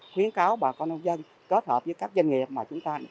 khuyến cáo bà con nông dân kết hợp với các doanh nghiệp mà chúng ta